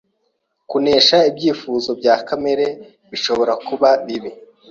kunesha ibyifuzo bya kamere Bishobora kuba bibi